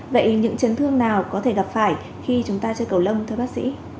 vậy những chấn thương nào có thể gặp phải khi chúng ta chơi cầu lông